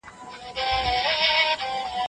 هغه د وېرې فضا نه رامنځته کوله.